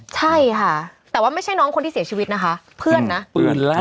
ใช่ค่ะแต่ว่าไม่ใช่น้องคนที่เสียชีวิตนะคะเพื่อนนะเพื่อนแล้ว